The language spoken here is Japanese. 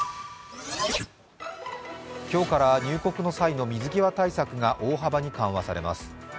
今日から入国の際の水際対策が大幅に緩和されます。